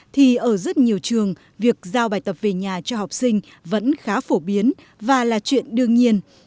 thì ở rất nhiều trường việc giao bài tập về nhà cho học sinh vẫn khá phổ biến và là chuyện đương nhiên